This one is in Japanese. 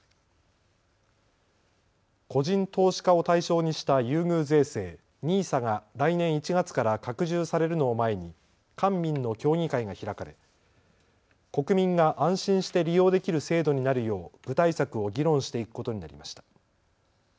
個人投資家を対象にした優遇税制、ＮＩＳＡが来年１月から拡充されるのを前に官民の協議会が開かれ国民が安心して利用できる制度になるよう具体策を議論していくことになりました。